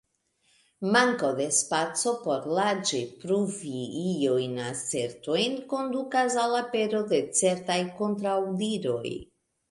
Manko de spaco por larĝe pruvi iujn asertojn kondukas al apero de certaj kontraŭdiroj.